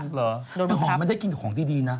ก็บังคับมันได้กินของที่ดีนะ